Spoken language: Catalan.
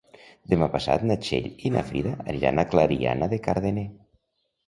Demà passat na Txell i na Frida aniran a Clariana de Cardener.